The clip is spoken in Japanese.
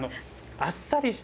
あっさりして